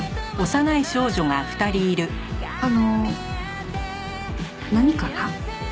あの何かな？